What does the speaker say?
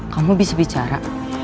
kamu bisa bicara